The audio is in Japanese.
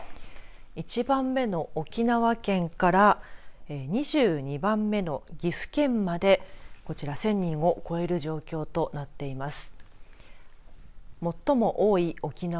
１番目の沖縄県から２２番目の岐阜県までこちら１０００人を超える状況となっています。